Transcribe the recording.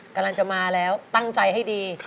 กำลังจะมาแล้วตั้งใจให้ดี